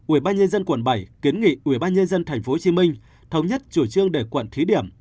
ubnd quận bảy kiến nghị ubnd tp hcm thống nhất chủ trương để quận thí điểm